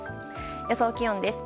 予想気温です。